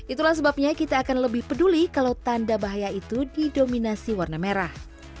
itulah sebabnya kita akan lebih peduli kalau tanda bahaya itu didominasi warna merah